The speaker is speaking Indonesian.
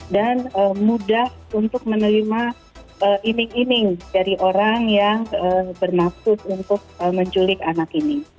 dan mudah untuk menerima iming iming dari orang yang bermaksud untuk menculik anak ini